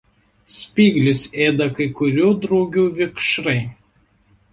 Spyglius ėda kai kurių drugių vikšrai.